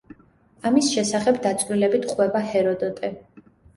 ამის შესახებ დაწვრილებით ყვება ჰეროდოტე.